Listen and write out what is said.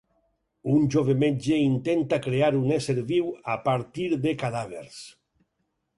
Un jove metge intenta crear un ésser viu a partir de cadàvers.